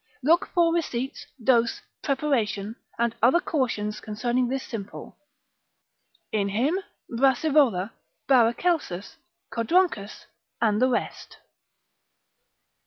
Look for receipts, dose, preparation, and other cautions concerning this simple, in him, Brassivola, Baracelsus, Codronchus, and the rest.